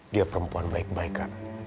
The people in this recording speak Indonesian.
dia perempuan baik baikan